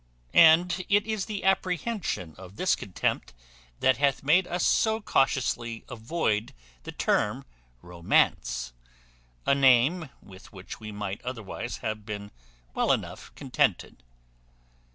And it is the apprehension of this contempt that hath made us so cautiously avoid the term romance, a name with which we might otherwise have been well enough contented.